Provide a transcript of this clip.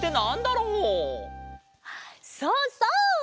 そうそう！